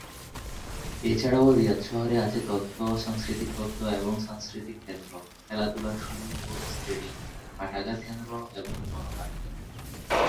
এছাড়াও রিয়াদ শহরে আছে তথ্য, সাংস্কৃতিক তথ্য এবং সাংস্কৃতিক কেন্দ্র, খেলাধুলার সুযোগ ও স্টেডিয়াম, পাঠাগার কেন্দ্র এবং জন পাঠাগার।